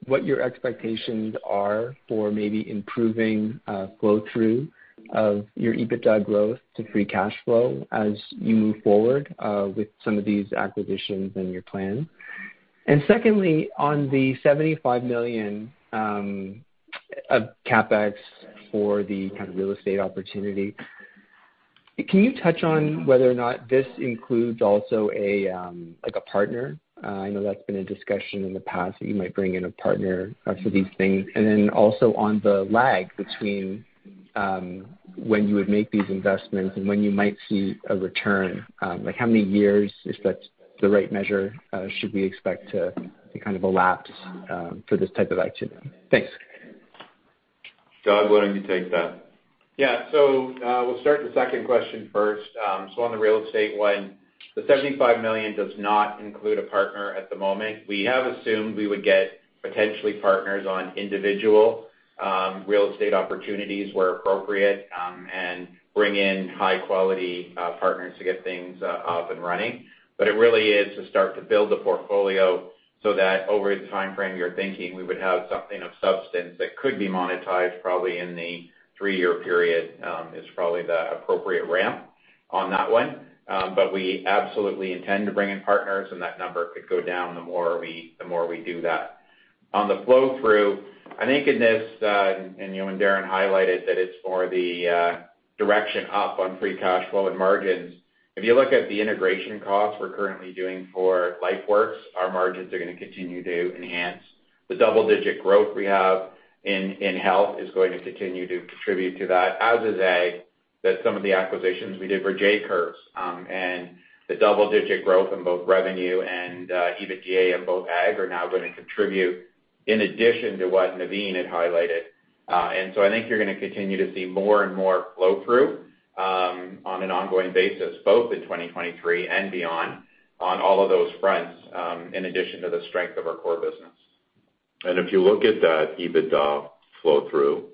[SPEAKER 14] what your expectations are for maybe improving flow through of your EBITDA growth to free cash flow as you move forward with some of these acquisitions and your plan? Secondly, on the $75 million of CapEx for the kind of real estate opportunity, can you touch on whether or not this includes also a, like, a partner? I know that's been a discussion in the past that you might bring in a partner for these things. Also on the lag between, when you would make these investments and when you might see a return, like how many years, if that's the right measure, should we expect to kind of elapse, for this type of activity? Thanks.
[SPEAKER 3] Doug, why don't you take that?
[SPEAKER 4] We'll start with the second question first. On the real estate one, the 75 million does not include a partner at the moment. We have assumed we would get potentially partners on individual real estate opportunities where appropriate, and bring in high quality partners to get things up and running. It really is to start to build the portfolio so that over the timeframe you're thinking, we would have something of substance that could be monetized probably in the three-year period, is probably the appropriate ramp on that one. We absolutely intend to bring in partners, and that number could go down the more we do that. On the flow through, I think in this, and, you know, Darren highlighted that it's more the direction up on free cash flow and margins. If you look at the integration costs we're currently doing for LifeWorks, our margins are gonna continue to enhance. The double-digit growth we have in health is going to continue to contribute to that, as is Ag, that some of the acquisitions we did for J-curves, and the double-digit growth in both revenue and EBITDA in both Ag are now gonna contribute in addition to what Navin had highlighted. I think you're gonna continue to see more and more flow through on an ongoing basis, both in 2023 and beyond on all of those fronts, in addition to the strength of our core business.
[SPEAKER 3] If you look at that EBITDA flow through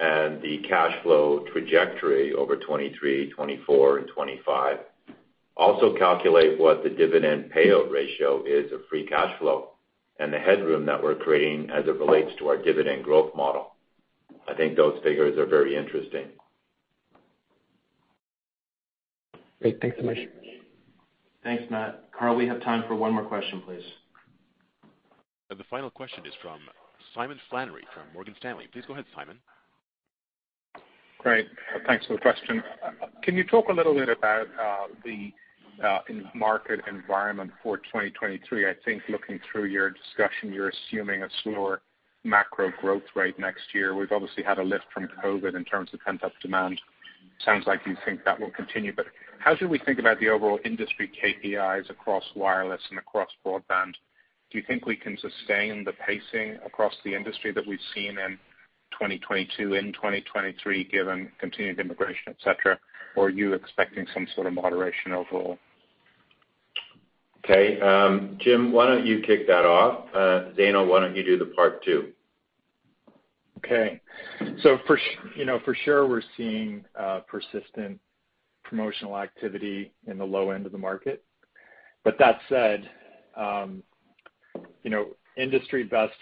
[SPEAKER 3] and the cash flow trajectory over 2023, 2024 and 2025, also calculate what the dividend payout ratio is of free cash flow and the headroom that we're creating as it relates to our dividend growth model. I think those figures are very interesting.
[SPEAKER 14] Great. Thanks so much.
[SPEAKER 2] Thanks, Matt. Carl, we have time for one more question, please.
[SPEAKER 1] The final question is from Simon Flannery from Morgan Stanley. Please go ahead, Simon.
[SPEAKER 15] Great. Thanks for the question. Can you talk a little bit about the market environment for 2023? I think looking through your discussion, you're assuming a slower macro growth rate next year. We've obviously had a lift from COVID in terms of pent-up demand. Sounds like you think that will continue, but how should we think about the overall industry KPIs across wireless and across broadband? Do you think we can sustain the pacing across the industry that we've seen in 2022 and 2023, given continued immigration, et cetera, or are you expecting some sort of moderation overall?
[SPEAKER 3] Okay. Jim, why don't you kick that off? Zainul, why don't you do the part two?
[SPEAKER 16] Okay. You know, for sure we're seeing persistent promotional activity in the low end of the market. That said, you know, industry best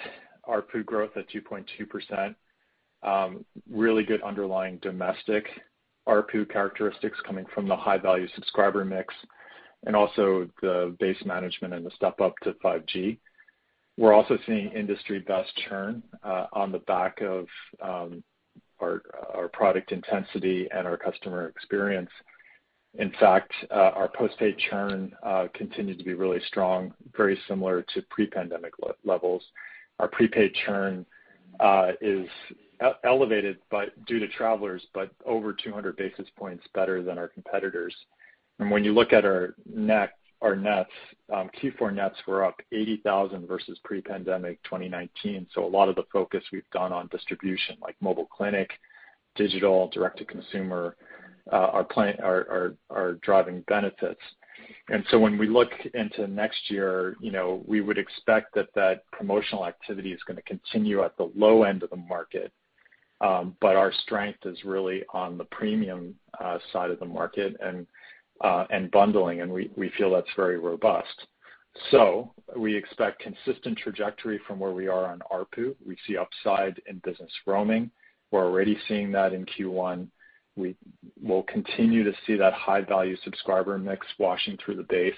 [SPEAKER 16] ARPU growth at 2.2%, really good underlying domestic ARPU characteristics coming from the high value subscriber mix and also the base management and the step-up to 5G. We're also seeing industry best churn on the back of our product intensity and our customer experience. In fact, our post-paid churn continued to be really strong, very similar to pre-pandemic levels. Our prepaid churn is elevated, but due to travelers, but over 200 basis points better than our competitors. When you look at our net, our nets, Q4 nets were up 80,000 versus pre-pandemic 2019. A lot of the focus we've gone on distribution, like Mobile Klinik, digital, direct to consumer, are driving benefits. When we look into next year, you know, we would expect that that promotional activity is gonna continue at the low end of the market. Our strength is really on the premium side of the market and bundling, and we feel that's very robust. We expect consistent trajectory from where we are on ARPU. We see upside in business roaming. We're already seeing that in Q1. We will continue to see that high value subscriber mix washing through the base.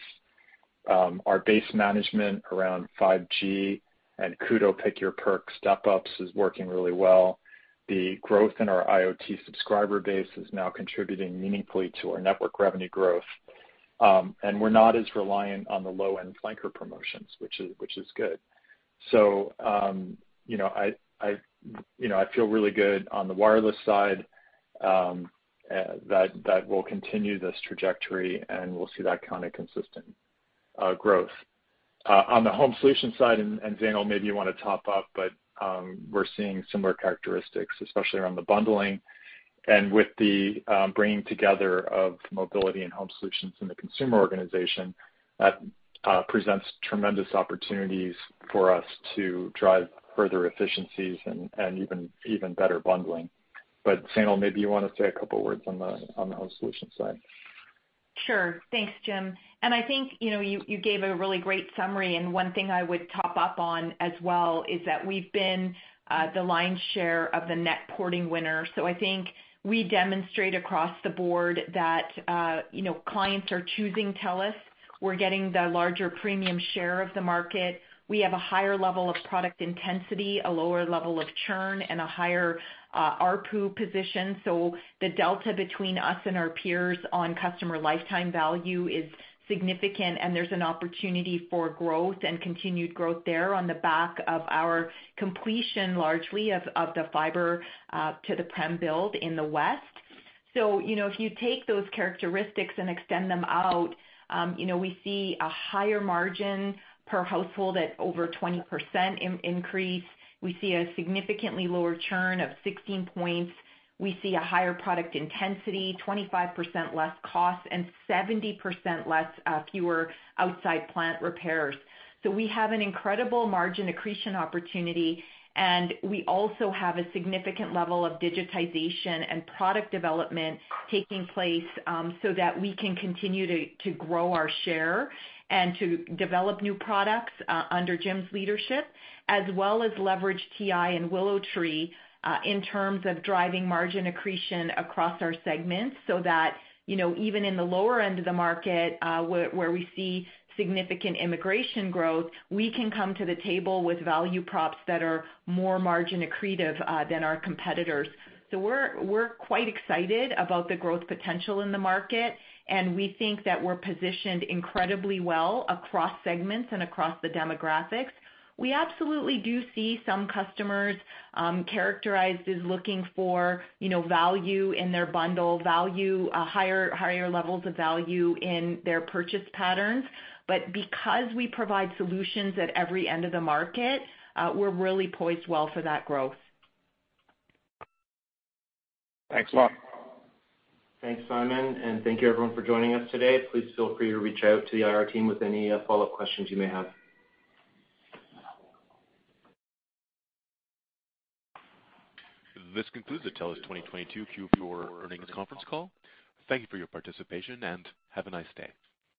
[SPEAKER 16] Our base management around 5G and Koodo Pick Your Perk step-ups is working really well. The growth in our IoT subscriber base is now contributing meaningfully to our network revenue growth. We're not as reliant on the low-end flanker promotions, which is good. You know, I feel really good on the wireless side that we'll continue this trajectory and we'll see that kind of consistent growth. On the home solution side, and Zainul, maybe you want to top up, but we're seeing similar characteristics, especially around the bundling and with the bringing together of mobility and home solutions in the consumer organization that presents tremendous opportunities for us to drive further efficiencies and even better bundling. Zainul, maybe you want to say a couple words on the home solution side.
[SPEAKER 13] Sure. Thanks, Jim. I think, you know, you gave a really great summary, and one thing I would top up on as well is that we've been the lion's share of the net porting winner. I think we demonstrate across the board that, you know, clients are choosing TELUS. We're getting the larger premium share of the market. We have a higher level of product intensity, a lower level of churn, and a higher ARPU position. The delta between us and our peers on customer lifetime value is significant, and there's an opportunity for growth and continued growth there on the back of our completion, largely of the fiber to the prem build in the West. You know, if you take those characteristics and extend them out, you know, we see a higher margin per household at over 20% increase. We see a significantly lower churn of 16 points. We see a higher product intensity, 25% less costs, and 70% less fewer outside plant repairs. We have an incredible margin accretion opportunity, and we also have a significant level of digitization and product development taking place, so that we can continue to grow our share and to develop new products, under Jim's leadership, as well as leverage TI and WillowTree, in terms of driving margin accretion across our segments, so that, you know, even in the lower end of the market, where we see significant immigration growth, we can come to the table with value props that are more margin accretive, than our competitors. We're quite excited about the growth potential in the market, and we think that we're positioned incredibly well across segments and across the demographics. We absolutely do see some customers, characterized as looking for, you know, value in their bundle, a higher levels of value in their purchase patterns. Because we provide solutions at every end of the market, we're really poised well for that growth.
[SPEAKER 15] Thanks a lot.
[SPEAKER 2] Thanks, Simon. Thank you everyone for joining us today. Please feel free to reach out to the IR team with any follow-up questions you may have.
[SPEAKER 1] This concludes the TELUS 2022 Q4 earnings conference call. Thank you for your participation, and have a nice day.